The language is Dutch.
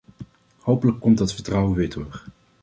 Hopelijk komt dat vertrouwen weer terug.